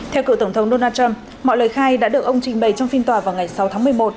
theo cựu tổng thống donald trump mọi lời khai đã được ông trình bày trong phiên tòa vào ngày sáu tháng một mươi một